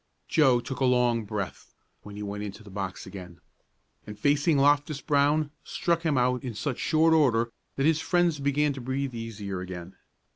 Joe took a long breath when he went into the box again, and facing Loftus Brown, struck him out in such short order that his friends began to breathe easier again.